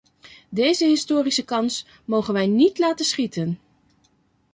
Deze historische kans mogen wij niet laten schieten.